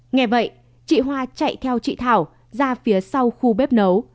nghe vậy chị hoa chạy theo chị thảo ra phía sau khu bếp nấu